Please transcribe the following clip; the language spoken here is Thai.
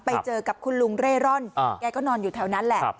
ไปเจอกับคุณลุงเร่ร่อนแกก็นอนอยู่แถวนั้นแหละ